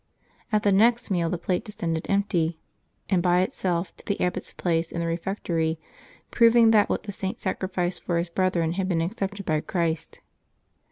At the next meal the plate de scended empty, and by itself, to the abbot's place in the refectory, proving that what the Saint sacrificed for his brethren had been accepted by Christ.